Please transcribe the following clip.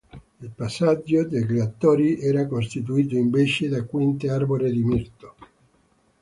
Il passaggio degli attori era costituito, invece, da quinte arboree di mirto.